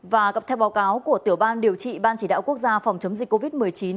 và theo báo cáo của tiểu ban điều trị ban chỉ đạo quốc gia phòng chống dịch covid một mươi chín